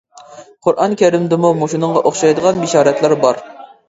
«قۇرئان كەرىم» دىمۇ مۇشۇنىڭغا ئوخشايدىغان بېشارەتلەر بار.